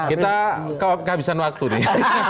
kita kehabisan waktu nih